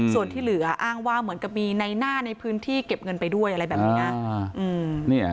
ส่วนที่เหลืออ้างว่าเหมือนกับมีในหน้าในพื้นที่เก็บเงินไปด้วยอะไรแบบนี้นะ